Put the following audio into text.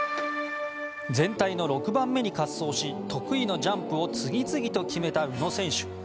全体の６番目に滑走し得意のジャンプを次々に決めた宇野選手。